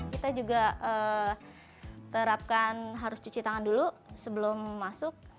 kita juga terapkan harus cuci tangan dulu sebelum masuk